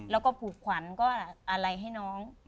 แล้วก็ผูกขวัญก็อะไรให้น้อง